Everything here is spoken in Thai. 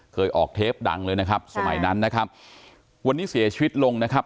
ออกเทปดังเลยนะครับสมัยนั้นนะครับวันนี้เสียชีวิตลงนะครับ